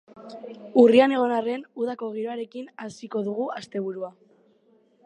Urrian egon arren, udako giroarekin hasiko dugu asteburua.